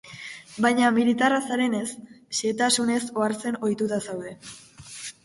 Baina militarra zarenez, xehetasunez ohartzen ohituta zaude.